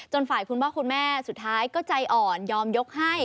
ฝ่ายคุณพ่อคุณแม่สุดท้ายก็ใจอ่อนยอมยกให้